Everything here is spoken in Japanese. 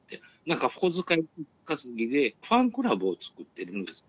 なんか小遣い稼ぎでファンクラブを作ってるんです。